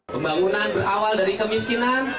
pembangunan berawal dari kemiskinan